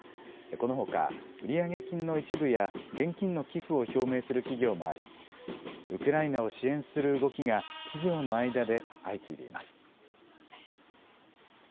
このほか売上金の一部や現金の寄付を表明する企業もありウクライナを支援する動きが企業の間で相次いでいます。